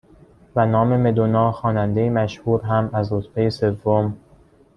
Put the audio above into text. و نام مدونا خواننده مشهور هم از رتبه سوم